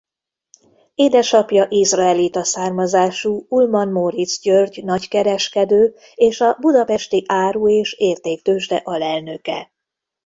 Édesapja izraelita származású Ullmann Móric György nagykereskedő és a Budapesti Áru- és Értéktőzsde alelnöke.